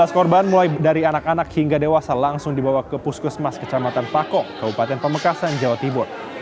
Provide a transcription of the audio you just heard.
sebelas korban mulai dari anak anak hingga dewasa langsung dibawa ke puskesmas kecamatan fakok kabupaten pamekasan jawa timur